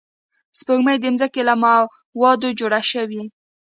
سپوږمۍ د ځمکې له موادو جوړه شوې